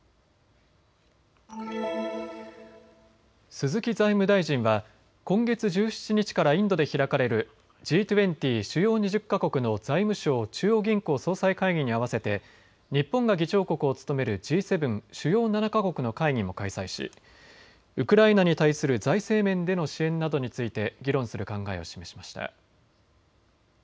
鈴木財務大臣は今月１７日からインドで開かれるＧ２０・主要２０か国の財務相・中央銀行総裁会議に合わせて日本が議長国を務めるＧ７・主要７か国の会議も開催しウクライナに対する財政面での支援などについて議論する考えを示しました。